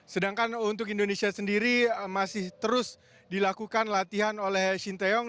sedangkan untuk indonesia sendiri masih terus dilakukan latihan oleh shin taeyong